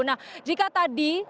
nah jika tadi baru saja diberitahu yuda